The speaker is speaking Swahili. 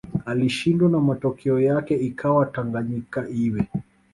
alishindwa na matokeo yake ikawa Tanganyika iwe